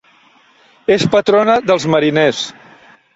És patrona dels mariners.